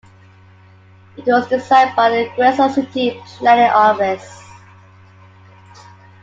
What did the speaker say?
It was designed by the Quezon City Planning Office.